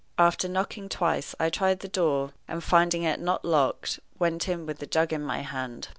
After knocking twice I tried the door, and, finding it not locked, went in with the jug in my hand.